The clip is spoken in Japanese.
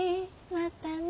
またね。